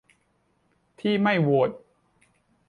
ที่ไม่โหวต